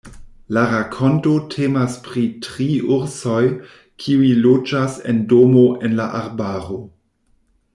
La rakonto temas pri tri ursoj kiuj loĝas en domo en la arbaro.